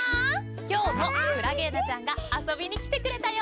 今日もクラゲーナちゃんが遊びにきてくれたよ。